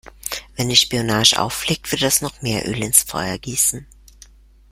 Wenn die Spionage auffliegt, würde das noch mehr Öl ins Feuer gießen.